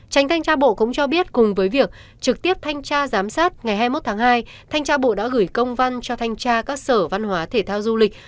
tránh thanh tra bộ cũng cho biết cùng với việc trực tiếp thanh tra giám sát ngày hai mươi một tháng hai thanh tra bộ đã gửi công văn cho thanh tra các sở văn hóa thể thao du lịch